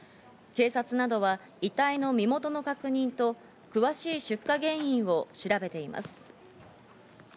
警察などは遺体の身元の確認と、詳しい出火原因を調べています。